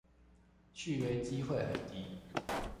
續約機會很低